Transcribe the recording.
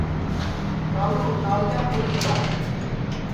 کالو ناݪیام گُڑی گا